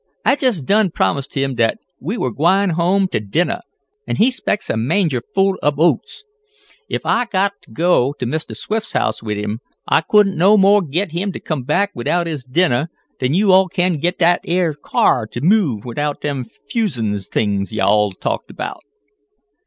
I jest done promised him dat we were gwine home t' dinnah, an' he 'spects a manger full ob oats. Ef I got to Mistah Swift's house wid him, I couldn't no mo' git him t' come back widout his dinnah, dan yo' all kin git dat 'ar car t' move widout dem fusin' t'ings yo' all talked about."